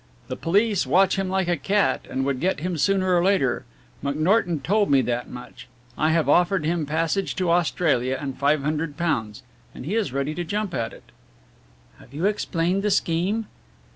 The police watch him like a cat, and would get him sooner or later. McNorton told me that much. I have offered him passage to Australia and £500, and he is ready to jump at it." "You have explained the scheme?"